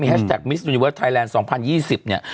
มีแฮชแท็กมิสต์อุนิเวิร์สไทยแลนด์๒๐๒๐เนี่ย